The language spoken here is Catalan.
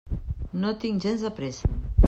No tinc gens de pressa.